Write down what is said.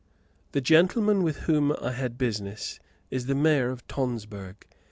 The gentleman with whom I had business is the Mayor of Tonsberg.